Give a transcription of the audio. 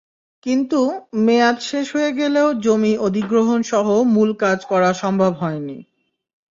কিন্তু মেয়াদ শেষ হয়ে গেলেও জমি অধিগ্রহণসহ মূল কাজ করা সম্ভব হয়নি।